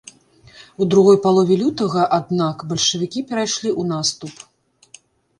У другой палове лютага, аднак, бальшавікі перайшлі ў наступ.